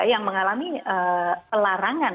yang mengalami pelarangan